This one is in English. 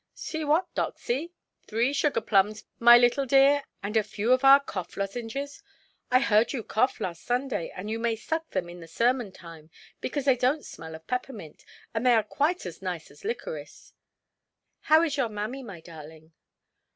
"See what, Doxy?—Three sugar–plums, my little dear, and a few of our cough–lozenges. I heard you cough last Sunday; and you may suck them in the sermon time, because they donʼt smell of peppermint, and they are quite as nice as liquorice. How is your mammy, my darling"?